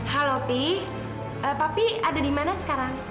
halo pi papi ada dimana sekarang